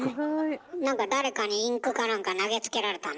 誰かにインクかなんか投げつけられたの？